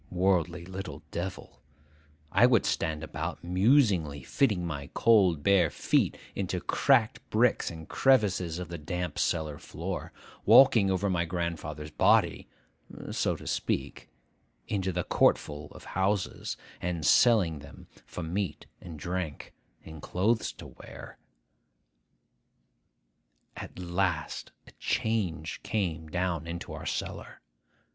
Worldly little devil, I would stand about, musingly fitting my cold bare feet into cracked bricks and crevices of the damp cellar floor,—walking over my grandfather's body, so to speak, into the courtful of houses, and selling them for meat and drink, and clothes to wear. At last a change came down into our cellar.